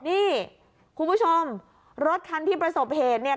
นี่คุณผู้ชมรถคันที่ประสบเหตุเนี่ย